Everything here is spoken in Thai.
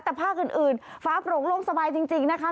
แต่ภาคอื่นฟ้าโปร่งโล่งสบายจริงนะคะ